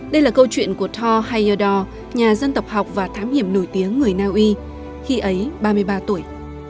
đây là câu chuyện của thor heyerdahl nhà dân tộc học và thám hiểm nổi tiếng người naui khi ấy ba mươi ba tuổi